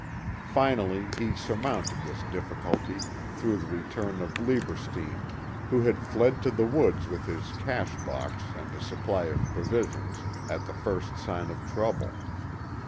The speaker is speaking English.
Finally, he surmounted this difficulty, through the return of Lieberstein, who had fled to the woods with his cash box and a supply of provisions, at the first sign of trouble.